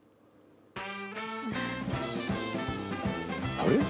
あれ？